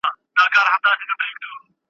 مهار د اوښ به په خره پسې وي ,